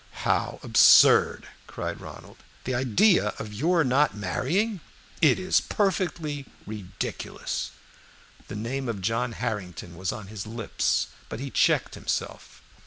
"How absurd!" cried Ronald. "The idea of your not marrying. It is perfectly ridiculous." The name of John Harrington was on his lips, but he checked himself.